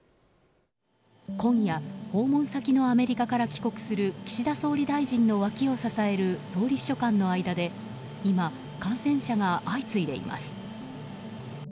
今夜訪問先のアメリカから帰国する岸田総理大臣の脇を支える総理秘書官の間で、今、感染者が相次いでいます。